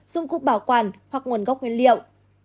dụng cụ bảo quản hoặc nguồn gốc nguyên liệu